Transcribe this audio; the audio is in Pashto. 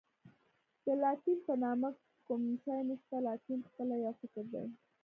د لاتین په نامه کوم شی نشته، لاتین خپله یو فکر دی.